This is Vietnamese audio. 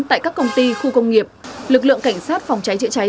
tại các công ty khu công nghiệp lực lượng cảnh sát phòng cháy chữa cháy